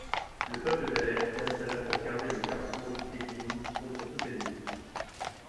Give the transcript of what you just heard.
Le peuple d’Haleth s’y installa pour garder le carrefour du Teiglin contre tout ennemi.